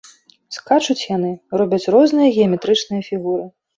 Скачуць яны, робяць розныя геаметрычныя фігуры.